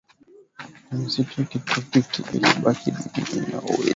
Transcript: ya misitu ya kitropiki iliyobaki duniani inaweza